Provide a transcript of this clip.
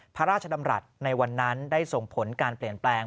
พระราชดำรัฐในวันนั้นได้ส่งผลการเปลี่ยนแปลง